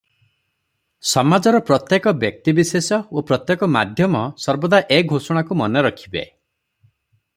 ସମାଜର ପ୍ରତ୍ୟେକ ବ୍ୟକ୍ତିବିଶେଷ ଓ ପ୍ରତ୍ୟେକ ମାଧ୍ୟମ ସର୍ବଦା ଏ ଘୋଷଣାକୁ ମନେରଖିବେ ।